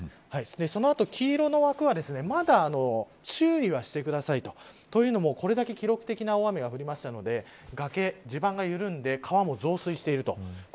その後、黄色の枠はまだ注意はしてくださいとというのも、これだけ記録的な大雨が降ったので崖の地盤が緩んで川も増水している。